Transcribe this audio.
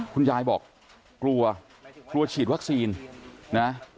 คุณยายบอกกลัวกลัวฉีดวัคซีนนะ